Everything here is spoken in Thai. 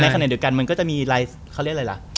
ขณะเดียวกันมันก็จะมีอะไรเขาเรียกอะไรล่ะ